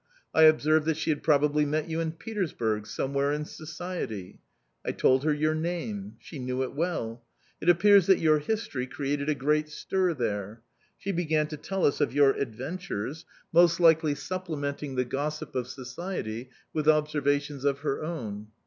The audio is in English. I observed that she had probably met you in Petersburg somewhere in society... I told her your name. She knew it well. It appears that your history created a great stir there... She began to tell us of your adventures, most likely supplementing the gossip of society with observations of her own...